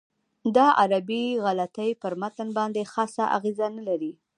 دا عربي غلطۍ پر متن باندې خاصه اغېزه نه لري.